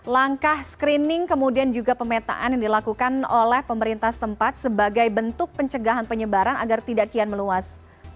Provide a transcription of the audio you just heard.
langkah screening kemudian juga pemetaan yang dilakukan oleh pemerintah setempat sebagai bentuk pencegahan penyebaran agar tidak kian meluas